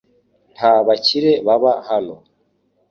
Nta bakire baba hano .